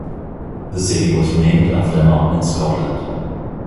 The city was named after a mountain in Scotland.